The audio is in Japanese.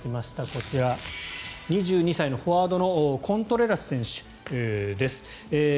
こちら２２歳のフォワードのコントレラス選手です。